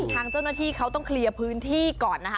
ทางเจ้าหน้าที่เขาต้องเคลียร์พื้นที่ก่อนนะคะ